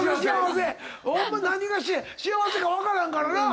ホンマ何が幸せか分からんからな。